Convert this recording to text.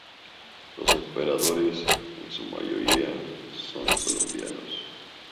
Los operadores, en su mayoría, son colombianos.